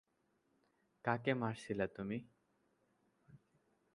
কাকে মারছিলা তুমি?